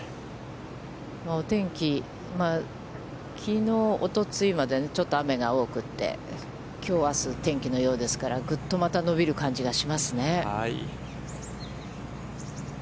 お天気、きのう、おとといまで、ちょっと雨が多くて、きょう、あす、天気のようですから、ぐっとまた伸びる感じがしますね。